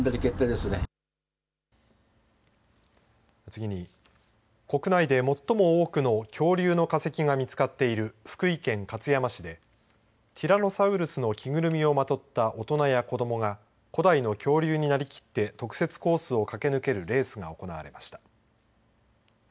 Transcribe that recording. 次に、国内で最も多くの恐竜の化石が見つかっている福井県勝山市でティラノサウルスの着ぐるみをまとった大人や子どもが古代の恐竜になりきって特設コースを駆け抜けるレースが行われました。